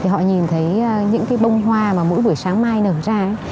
họ nhìn thấy những bông hoa mà mỗi buổi sáng mai nở ra